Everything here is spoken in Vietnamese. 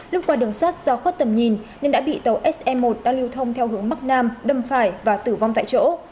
lúc qua đường sát do khuất tầm nhìn nên đã bị tàu se một đang lưu thông theo hướng bắc nam đâm phải và tử vong tại chỗ